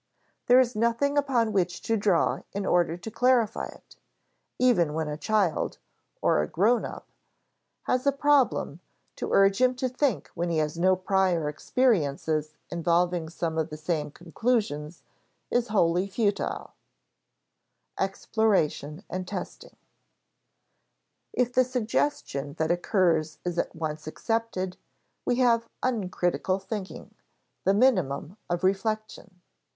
There is nothing upon which to draw in order to clarify it. Even when a child (or a grown up) has a problem, to urge him to think when he has no prior experiences involving some of the same conditions, is wholly futile. [Sidenote: Exploration and testing] If the suggestion that occurs is at once accepted, we have uncritical thinking, the minimum of reflection.